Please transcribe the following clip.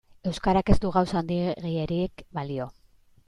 Euskarak ez du gauza handiegirik balio.